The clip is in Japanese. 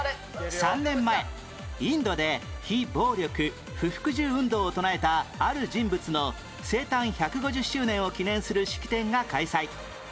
３年前インドで非暴力・不服従運動を唱えたある人物の生誕１５０周年を記念する式典が開催